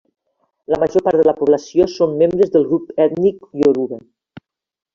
La major part de la població són membres del grup ètnic ioruba.